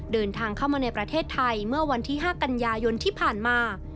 เดินทางเข้ามาในประเทศไทยเมื่อวันที่๕กันยายนที่ผ่านมา